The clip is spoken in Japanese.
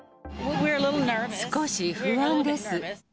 少し不安です。